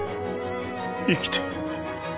生きて